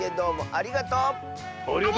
ありがとう！